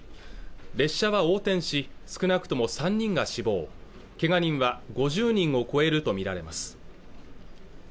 列車は横転し少なくとも３人が死亡けが人は５０人を超えると見られます